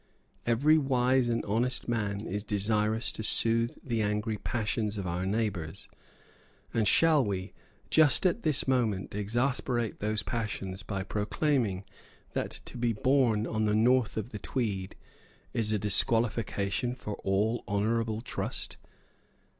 Every wise and honest man is desirous to soothe the angry passions of our neighbours. And shall we, just at this moment, exasperate those passions by proclaiming that to be born on the north of the Tweed is a disqualification for all honourable trust?"